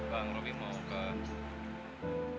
bang robi mau ke